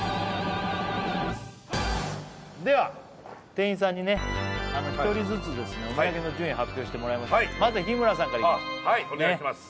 では店員さんにね一人ずつですねお土産の順位を発表してもらいましょうまずは日村さんからいきます